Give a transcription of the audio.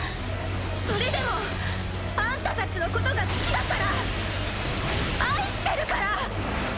それでもあんたたちのことが好きだから愛してるから！